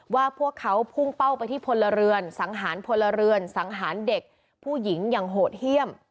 ว่าพวกเขาพุ่งเป้าไปที่พลเรือนสังหารพลเรือนสังหารเด็กผู้หญิงอย่างโหดเยี่ยม